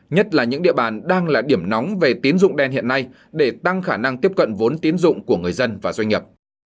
nhất là những địa bàn đang là điểm nóng về tiến dụng đen hiện nay để tăng khả năng tiếp cận vốn tiến dụng của người dân và doanh nghiệp